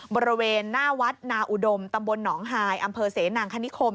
บริเวณหน้าวัดนาอุดมตำบลหนองฮายอำเภอเสนางคณิคม